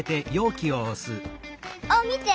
あっみて！